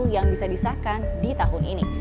yang bisa disahkan di tahun ini